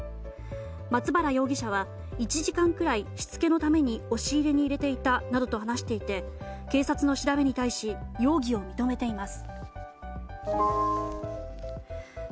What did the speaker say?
松原容疑者は、１時間くらいしつけのために押し入れに入れていたなどと話していて警察の調べに対して容疑を認めています。